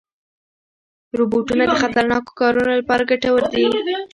روبوټونه د خطرناکو کارونو لپاره ګټور دي.